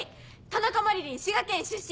田中麻理鈴滋賀県出身。